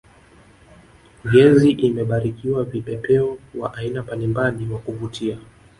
ngezi imebarikiwa vipepeo wa aina mbalimbali wa kuvutia